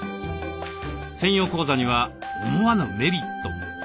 専用口座には思わぬメリットも。